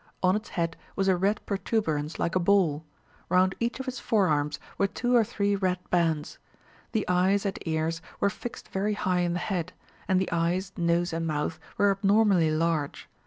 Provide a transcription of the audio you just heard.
On its head was a red protuberance like a ball; round each of its forearms were two or three red bands; the eyes and ears were fixed very high in the head; and the eyes, nose, and mouth were abnormally large.